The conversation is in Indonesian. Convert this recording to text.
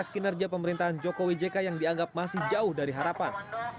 kinerja pemerintahan jokowi jk yang dianggap masih jauh dari harapan